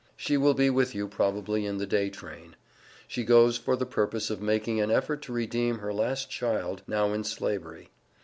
She will be with you probably in the day train. She goes for the purpose of making an effort to redeem her last child, now in Slavery.